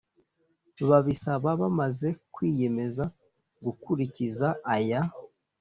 babisaba bamaze kwiyemeza gukurikiza aya